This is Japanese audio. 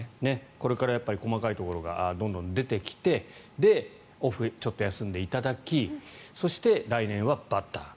これから細かいところがどんどん出てきて、オフはちょっと休んでいただきそして、来年はバッター。